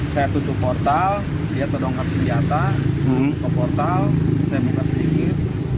saya tutup portal dia terdongkak senjata ke portal saya buka sedikit